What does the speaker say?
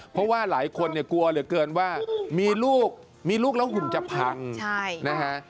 เพราะว่าหลายคนเนี่ยกลัวเหลือเกินว่ามีลูกมีลูกแล้วหุ่นจะพังนะฮะ